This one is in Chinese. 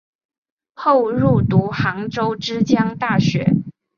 后入读杭州之江大学。